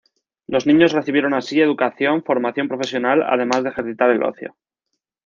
Los niños recibieron así educación, formación profesional, además de ejercitar el ocio.